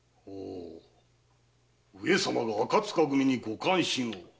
上様が赤柄組にご関心を？